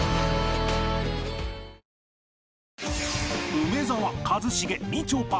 梅沢一茂みちょぱ